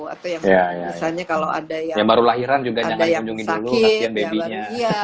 atau misalnya kalau ada yang baru lahiran juga jangan dikunjungi dulu kasihan babynya